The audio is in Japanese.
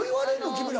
君ら。